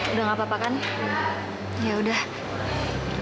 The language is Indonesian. udah gak apa apa kan yaudah